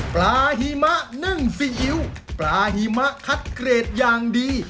หิมะนึ่งซีอิ๊วปลาหิมะคัดเกรดอย่างดี